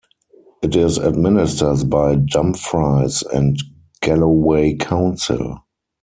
It is administered by Dumfries and Galloway Council.